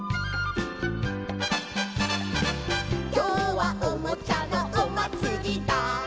「きょうはおもちゃのおまつりだ」